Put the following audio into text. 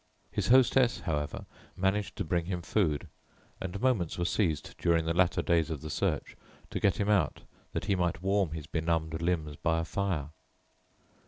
His hostess, however, managed to bring him food, and moments were seized during the latter days of the search to get him out that he might warm his benumbed limbs by a fire.